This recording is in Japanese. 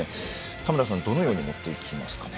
田村さん、どのように持っていきますか？